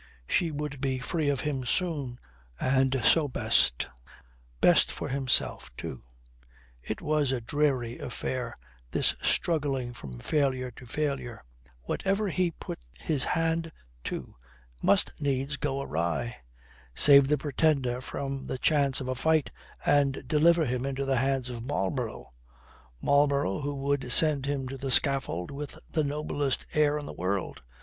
She would be free of him soon, and so best. Best for himself, too; it was a dreary affair, this struggling from failure to failure. Whatever he put his hand to must needs go awry. Save the Pretender from the chance of a fight and deliver him into the hands of Marlborough! Marlborough, who would send him to the scaffold with the noblest air in the world!